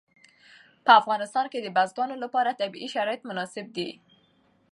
په افغانستان کې د بزګانو لپاره طبیعي شرایط مناسب دي.